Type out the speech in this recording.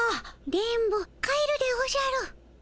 電ボ帰るでおじゃる。